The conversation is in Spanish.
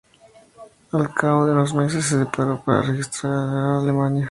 Al cabo de unos meses se separó para regresar a Alemania.